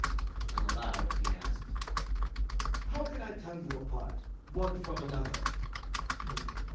And aloud he asked: "How can I tell you apart — one from another?"